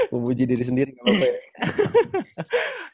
memuji diri sendiri gak apa apa ya